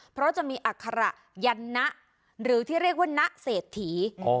เพราะจะมีอัคระยันนะหรือที่เรียกว่านะเศรษฐี